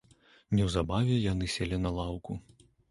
Неўзабаве яны селі на лаўку.